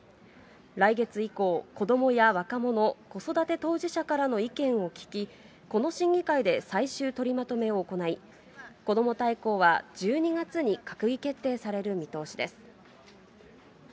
来月以降、こどもや若者、子育て当事者からの意見を聞き、この審議会で最終とりまとめを行い、こども大綱は１２月に閣議決定される見通しです。